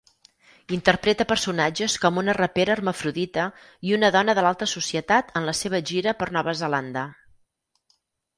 Interpreta personatges com una rapera hermafrodita i una dona de l'alta societat en la seva gira per Nova Zelanda.